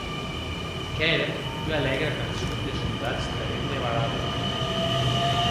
Qu’ère ua alègra cançon de soldats de ritme barable.